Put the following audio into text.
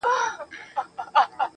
د چا د ويښ زړگي ميسج ننوت